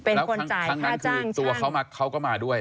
แล้วครั้งนั้นคือตัวเขาก็มาด้วย